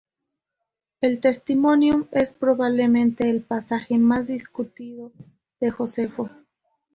El "Testimonium" es probablemente el pasaje más discutido de Josefo.